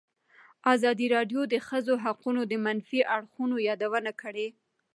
ازادي راډیو د د ښځو حقونه د منفي اړخونو یادونه کړې.